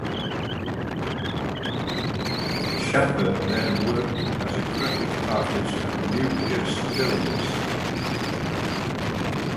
Schaffer then worked as a graphic artist at Nucleus Films.